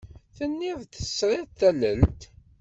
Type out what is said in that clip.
Tenniḍ-d tesriḍ tallelt.